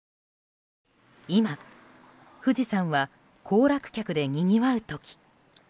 今、富士山は行楽客でにぎわう時。